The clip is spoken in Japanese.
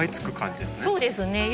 そうですね。